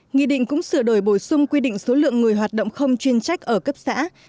nghị định cũng sửa đổi bổ sung quy định số lượng người hoạt động không chuyên trách ở cấp xã